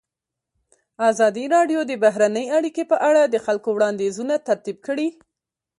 ازادي راډیو د بهرنۍ اړیکې په اړه د خلکو وړاندیزونه ترتیب کړي.